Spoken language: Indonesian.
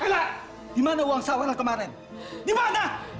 ela dimana uang sawelan kemarin dimana